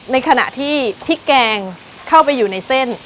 ในขณะที่พริกแกงเข้าไปอยู่ในเส้น